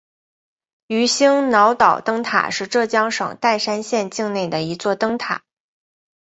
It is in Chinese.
鱼腥脑岛灯塔是浙江省岱山县境内的一座灯塔。